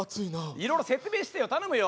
いろいろ説明してよ頼むよ。